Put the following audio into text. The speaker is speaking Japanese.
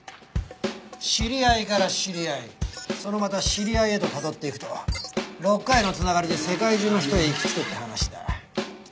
知り合いから知り合いそのまた知り合いへとたどっていくと６回の繋がりで世界中の人へ行き着くって話だ。